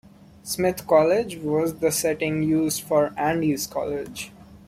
Smith College was the setting used for Andy's college.